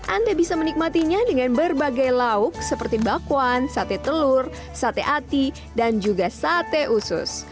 anda bisa menikmatinya dengan berbagai lauk seperti bakwan sate telur sate ati dan juga sate usus